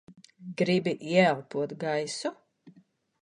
Gribi ieelpot gaisu?